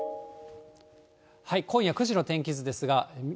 今夜９時の天気図ですが。